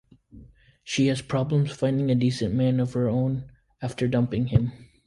She has problems finding a decent man of her own after dumping him.